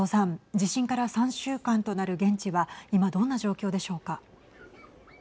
地震から３週間となる現地は今どんな状況でしょうか。